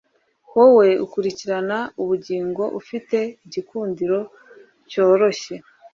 Wowe ukurikirana ubugingo ufite igikundiro cyoroshye